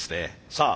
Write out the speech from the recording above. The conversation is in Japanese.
さあ